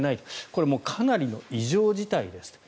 これはかなりの異常事態ですと。